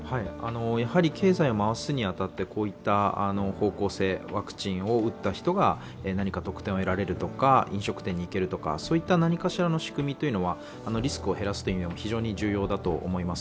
やはり経済を回すに当たって、こういった方向性、ワクチンを打った人が何か特典を得られるとか飲食店に行けるというそういった何かしらの仕組みというのはリスクを減らす意味で非常に重要だと思います。